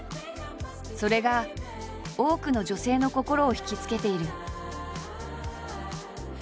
それが多くの女性の心をひきつけている。